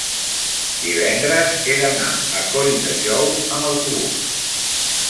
divendres he d'anar a Colldejou amb autobús.